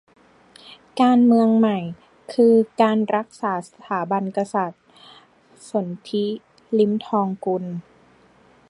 การเมืองใหม่คือการรักษาสถาบันกษัตริย์ - สนธิ ลิ้มทองกุล